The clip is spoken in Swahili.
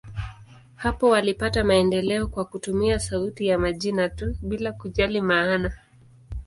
Hapo walipata maendeleo kwa kutumia sauti ya majina tu, bila kujali maana.